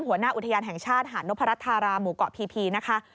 หัวหน้าอุทยานแห่งชาติหาดนพรัชธาราหมู่เกาะพีนะคะ